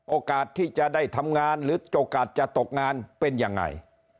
โอกาสที่จะได้ทำงานหรือโอกาสจะตกงานเป็นยังไง